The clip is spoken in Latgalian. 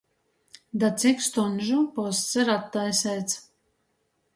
Da cik stuņžu posts ir attaiseits?